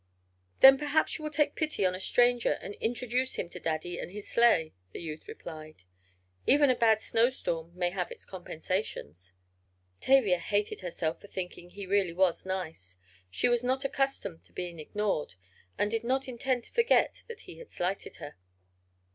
"Then perhaps you will take pity on a stranger, and introduce him to Daddy and his sleigh," the youth replied. "Even a bad snowstorm may have its compensations." Tavia hated herself for thinking he really was nice. She was not accustomed to being ignored, and did not intend to forget that he had slighted her.